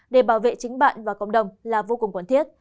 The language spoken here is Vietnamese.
để bảo vệ chính bạn và cộng đồng là vô cùng cần thiết